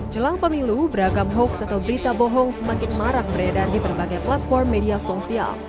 jelang pemilu beragam hoax atau berita bohong semakin marak beredar di berbagai platform media sosial